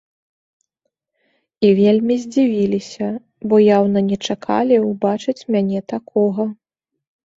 І вельмі здзівіліся, бо яўна не чакалі ўбачыць мяне такога.